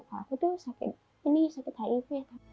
kalau aku tuh sakit ini sakit hiv ya